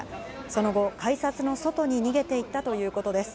その後、改札の外に逃げていったということです。